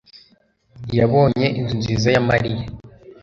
yabonye inzu nziza ya mariya